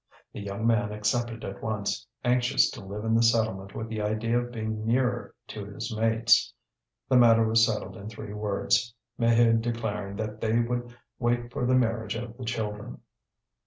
The young man accepted at once, anxious to live in the settlement with the idea of being nearer to his mates. The matter was settled in three words, Maheude declaring that they would wait for the marriage of the children.